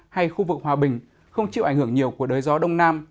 hay khu vực hòa bình không chịu ảnh hưởng nhiều của đới gió đông nam